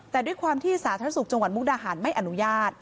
แต่ด้วยความที่สาธารณสุขจังหวัดมุกดาหารไม่อนุญาต